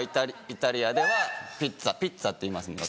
イタリアではピッツァピッツァって言いますもん。